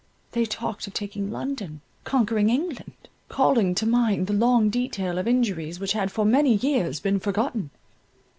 They talked of taking London, conquering England—calling to mind the long detail of injuries which had for many years been forgotten.